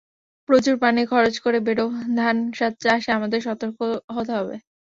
প্রচুর পানি খরচ করে বোরো ধান চাষে আমাদের সতর্ক হতে হবে।